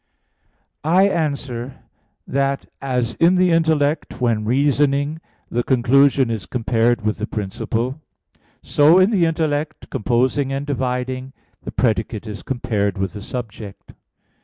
I answer that, As in the intellect, when reasoning, the conclusion is compared with the principle, so in the intellect composing and dividing, the predicate is compared with the subject.